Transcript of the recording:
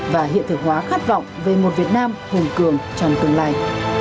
và hiện thực hóa khát vọng về một việt nam hùng cường trong tương lai